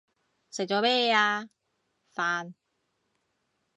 食咗咩啊？飯